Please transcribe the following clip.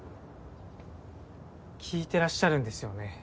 聞いてらっしゃるんですよね？